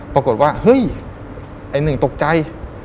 ปรากฏว่าเฮ้ยไอ้หนึ่งตกใจ